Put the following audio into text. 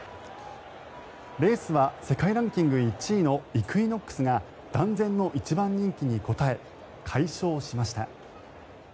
レースは世界ランキング１位のイクイノックスが断然の１番人気に応え快勝しました。